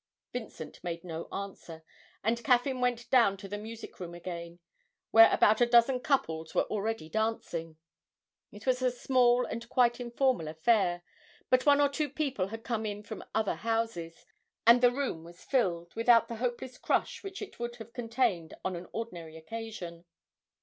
Vincent made no answer, and Caffyn went down to the music room again, where about a dozen couples were already dancing. It was a small and quite informal affair, but one or two people had come in from other houses, and the room was filled, without the hopeless crush which it would have contained on an ordinary occasion.